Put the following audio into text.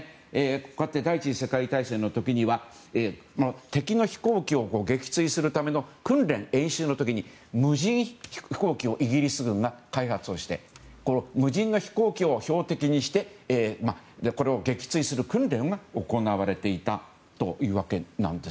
こうやって第１次世界大戦の時には敵の飛行機を撃墜するための訓練、演習の時に無人飛行機をイギリス軍が開発して無人の飛行機を標的にしてこれを撃墜する訓練が行われていたというわけなんです。